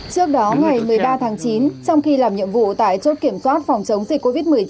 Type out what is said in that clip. trước đó ngày một mươi ba tháng chín trong khi làm nhiệm vụ tại chốt kiểm soát phòng chống dịch covid một mươi chín